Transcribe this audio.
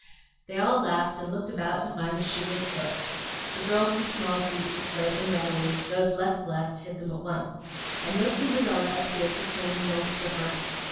They all laughed and looked about to find the shoeless foot. The girls with small feet displayed them readily; those less blessed hid them at once, and no Cinderella appeared to claim the old slipper.